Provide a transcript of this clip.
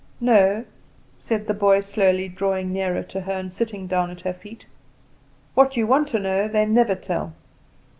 "No," said the boy, slowly drawing nearer to her and sitting down at her feet. "What you want to know they never tell."